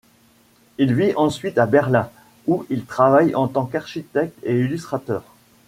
Il vit ensuite à Berlin, où il travaille en tant qu'architecte et illustrateur.